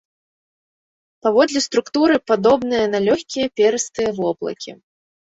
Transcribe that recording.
Паводле структуры падобныя на лёгкія перыстыя воблакі.